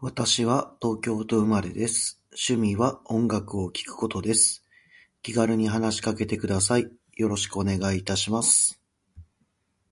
私は東京都生まれです。趣味は音楽を聴くことです。気軽に話しかけてください。よろしくお願いいたします。